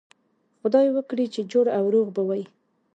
خدای وکړي جوړ او روغ به وئ.